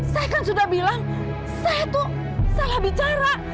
saya kan sudah bilang saya tuh salah bicara